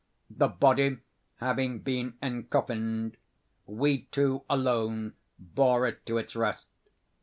The body having been encoffined, we two alone bore it to its rest.